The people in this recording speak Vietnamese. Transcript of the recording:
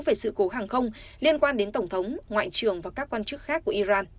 về sự cố hàng không liên quan đến tổng thống ngoại trưởng và các quan chức khác của iran